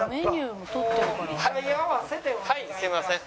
はいすいません。